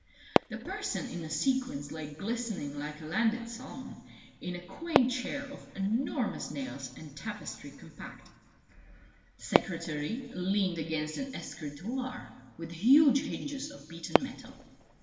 The person in the sequins lay glistening like a landed salmon in a quaint chair of enormous nails and tapestry compact. The secretary leaned against an escritoire with huge hinges of beaten metal.